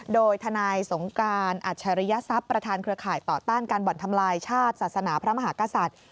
โดยทนายสงการอัจฉริยศัพย์ประธานเครือข่ายต่อต้านการบ่อนทำลายชาติศาสนาพระมหากษัตริย์